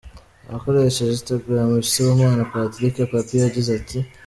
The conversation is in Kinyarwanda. Akoresheje Instagram, Sibomana Patrick Pappy yagize ati:.